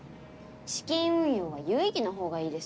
資金運用は有意義なほうがいいですよ